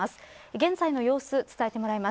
現在の様子、伝えてもらいます。